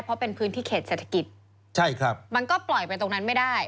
เพราะเป็นพื้นที่เขตเศรษฐกิจใช่ครับมันก็ปล่อยไปตรงนั้นไม่ได้